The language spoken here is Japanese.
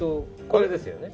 これですよね。